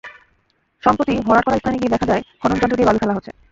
সম্প্রতি ভরাট করা স্থানে গিয়ে দেখা যায়, খননযন্ত্র দিয়ে বালু ফেলা হচ্ছে।